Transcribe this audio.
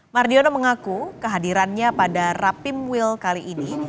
mardiono mengaku kehadirannya pada rapim will kali ini